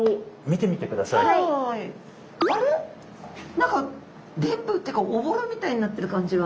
何かでんぶっていうかおぼろみたいになってる感じが。